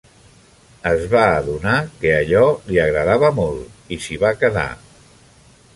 Es va adonar que allò li agradava molt i s'hi va quedar.